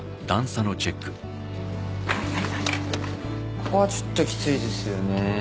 ここはちょっときついですよね